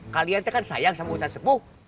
kalian kan sayang sama ustadz semuh